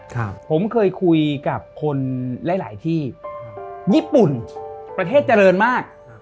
ครับผมเคยคุยกับคนหลายหลายที่ญี่ปุ่นประเทศเจริญมาก